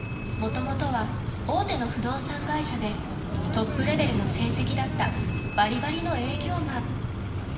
もともとは大手の不動産会社でトップレベルの成績だったバリバリの営業マン］